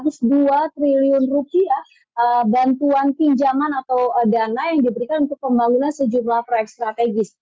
rp satu ratus dua triliun rupiah bantuan pinjaman atau dana yang diberikan untuk pembangunan sejumlah proyek strategis